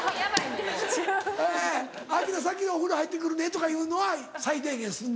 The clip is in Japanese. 「アキラ先お風呂入って来るね」とかいうのは最低限すんの？